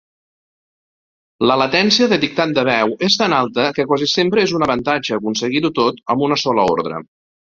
La latència de dictat de veu és tan alta que quasi sempre és un avantatge aconseguir-ho tot amb una sola ordre.